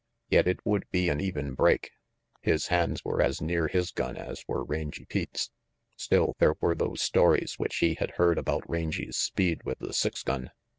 Yet it would be an even break. His hands were as near his gun as were Rangy Pete's. Still, there were those stories which he had heard about Rangy's speed with the six gun.